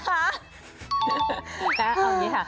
แป๊บเอาอย่างนี้ค่ะ